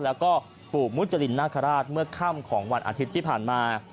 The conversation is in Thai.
แล้วก็ปู่มุจรินนาคาราชเมื่อค่ำของวันอาทิตย์ที่ผ่านมา